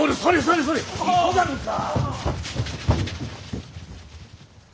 急がぬか！